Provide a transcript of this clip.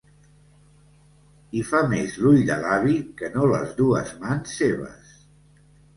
Hi fa més l'ull de l'avi que no les dues mans seves.